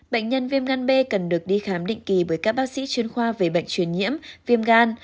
bệnh nhân viêm gan b cần được đi khám định kỳ bởi các bác sĩ chuyên khoa về bệnh truyền nhiễm viêm gan